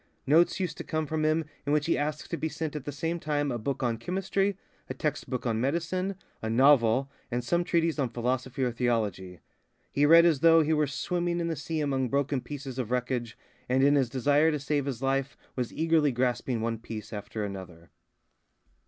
Notes used to come from him in which he asked to be sent at the same time a book on chemistry, a text book of medicine, a novel, and some treatise on philosophy or theology. He read as though he were swimming in the sea among broken pieces of wreckage, and in his desire to save his life was eagerly grasping one piece after another.